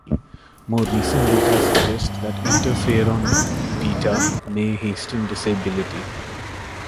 More recent data suggest that interferon betas may hasten disability.